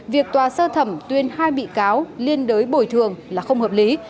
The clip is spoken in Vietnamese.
việc tòa sơ thẩm tuyên hai bị cáo liên đới bồi thường là không hợp lý